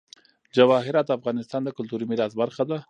جواهرات د افغانستان د کلتوري میراث برخه ده.